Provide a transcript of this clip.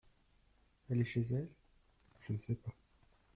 Elle est chez elle ? Je ne sais pas.